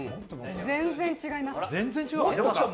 全然ちがいます。